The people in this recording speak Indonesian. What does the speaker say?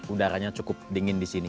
udaranya cukup dingin di sini